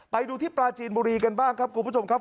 ไปดูที่ปลาจีนบุรีกันบ้างครับคุณผู้ชมครับ